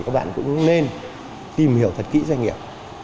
cũng nên tìm hiểu thật kỹ doanh nghiệp